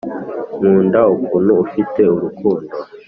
nkunda ukuntu ufite urukundo.